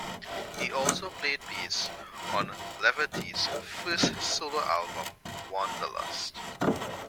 He also played bass on Leverty's first solo album, "Wanderlust".